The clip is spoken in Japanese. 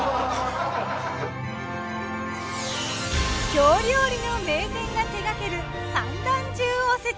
京料理の名店が手がける三段重おせち。